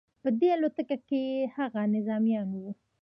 په دې الوتکه کې هغه نظامیان وو